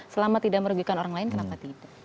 selama tidak merugikan orang lain kenapa tidak